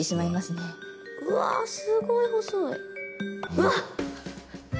うわっ！